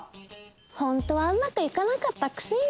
ホントはうまくいかなかったクセに。